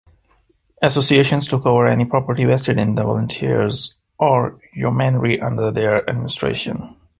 Associations took over any property vested in the volunteers or yeomanry under their administration.